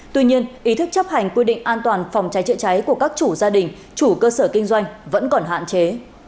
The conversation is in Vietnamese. tuy nhiên ý thức chấp hành quy định an toàn phòng cháy chữa cháy của các chủ gia đình chủ cơ sở kinh doanh vẫn còn hạn chế